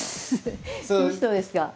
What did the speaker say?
いい人ですか？